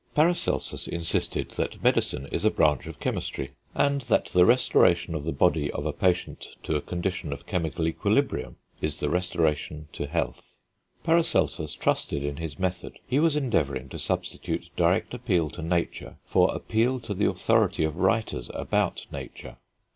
Paracelsus insisted that medicine is a branch of chemistry, and that the restoration of the body of a patient to a condition of chemical equilibrium is the restoration to health. Paracelsus trusted in his method; he was endeavouring to substitute direct appeal to nature for appeal to the authority of writers about nature.